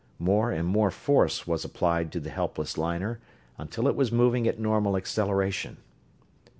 More and more force was applied to the helpless liner, until it was moving at normal acceleration.